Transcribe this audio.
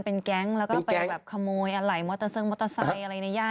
เป็นแก๊งแล้วก็ไปแบบขโมยอะไรมอเตอร์เซิงมอเตอร์ไซค์อะไรในย่า